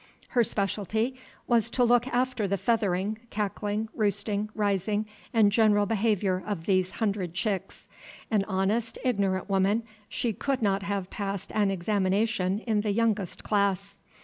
Her specialty was to look after the feathering, cackling, roosting, rising, and general behavior of these hundred chicks. An honest, ignorant woman, she could not have passed an examination in the youngest class.